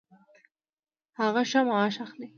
هغه ښه معاش اخلي